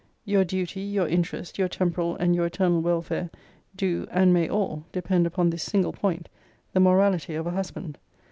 Your duty, your interest, your temporal and your eternal welfare, do, and may all, depend upon this single point, the morality of a husband.